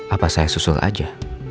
apa saya susul aja